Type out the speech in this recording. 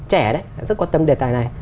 rất quan tâm đề tài này